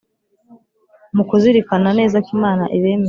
mu kuzirikana neza ko imana ibemera.